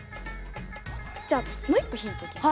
じゃあもう１個ヒントいきます。